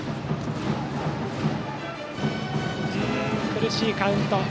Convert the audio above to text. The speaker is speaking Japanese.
苦しいカウント。